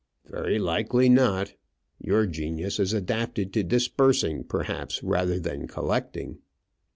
"Very likely not. Your genius is adapted to dispersing, perhaps, rather than collecting."